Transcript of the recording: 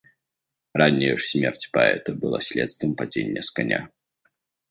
Ранняя ж смерць паэта была следствам падзення з каня.